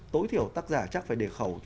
tối thiểu tác giả chắc phải để khẩu